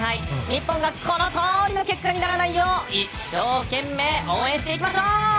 日本がこのトーリの結果にならないよう一生懸命応援していきましょう！